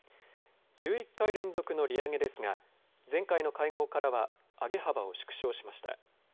１１回連続の利上げですが、前回の会合からは上げ幅を縮小しました。